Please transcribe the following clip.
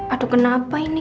aduh kenapa ini